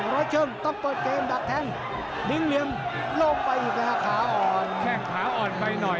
ร้อยชงต้องเปิดเกมดับแทงลิ้งเลี่ยมลงไปถ้าขาอ่อนแค่ขาอ่อนไปหน่อย